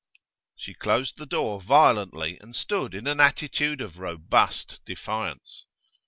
She closed the door violently, and stood in an attitude of robust defiance.